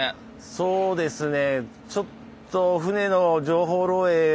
そうですね。